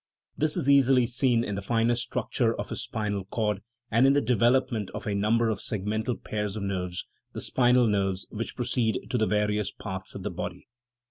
This is easily seen in the finer structure of his spinal cord, and in the development of a number of segmental pairs of nerves, the spinal nerves, which proceed to the various parts of the body.